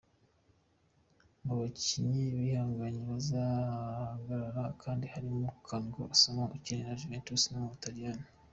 Mu bakinnyi b’ibihangange batazagaragara kandi harimo Kwadwo Asamoah ukinira Juventus yo mu Butaliyani.